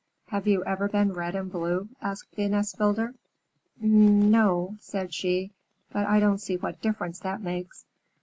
"Have you ever been red and blue?" asked the nest builder. "N no," said she. "But I don't see what difference that makes."